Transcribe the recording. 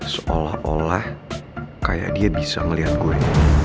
seolah olah kayak dia bisa melihat guru